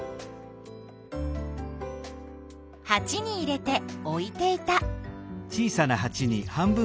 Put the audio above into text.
はちに入れて置いていた。